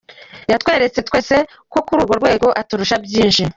Yatweretse twese ko kuri urwo rwego aturusha byinshi.